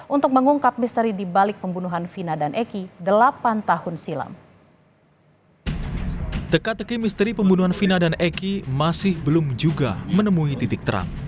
untuk mengungkap misteri dibalik pembunuhan vina dan eki delapan tahun silam